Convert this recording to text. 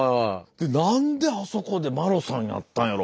で何であそこで麿さんやったんやろ？